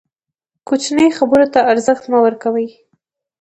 کوچنۍ خبرو ته ارزښت مه ورکوئ!